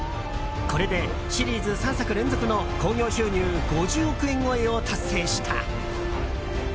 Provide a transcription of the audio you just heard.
これでシリーズ３作連続の興行収入５０億円超えを達成した。